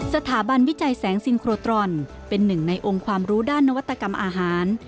สถาบันวิจัยแสงซิงโครตรอนเป็นหนึ่งในองค์ความรู้ด้านนวัตกรรมอาหาร